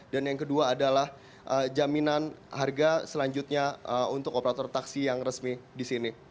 dan yang kedua adalah jaminan harga selanjutnya untuk operator taksi yang resmi di sini